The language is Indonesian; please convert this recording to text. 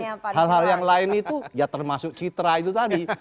hal hal yang lain itu ya termasuk citra itu tadi